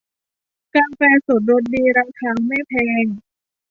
กาแฟสดรสดีราคาแม่แพง